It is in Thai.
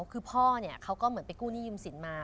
คือพ่อเนี่ยเขาก็เหมือนไปกู้หนี้ยืมสินมา